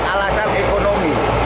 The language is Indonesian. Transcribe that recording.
soalnya alasan ekonomi